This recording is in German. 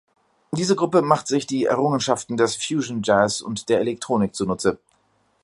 Diese Gruppe macht sich die Errungenschaften des Fusionjazz und der Elektronik zunutze.